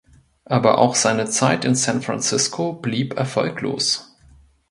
Aber auch seine Zeit in San Francisco blieb erfolglos.